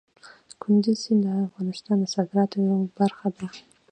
کندز سیند د افغانستان د صادراتو یوه برخه ده.